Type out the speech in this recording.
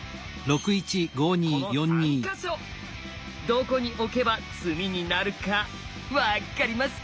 どこに置けば詰みになるかわっかりますか？